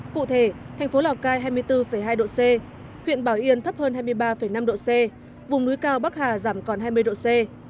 cụ thể thành phố lào cai hai mươi bốn hai độ c huyện bảo yên thấp hơn hai mươi ba năm độ c vùng núi cao bắc hà giảm còn hai mươi độ c